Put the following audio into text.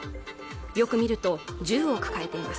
よく見ると銃を抱えています